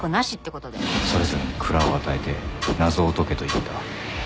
「それぞれに蔵を与えて謎を解けと言った」